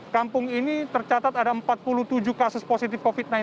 kampung ini tercatat ada empat puluh tujuh kasus positif covid sembilan belas